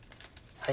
はい。